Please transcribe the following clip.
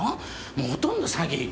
もうほとんど詐欺。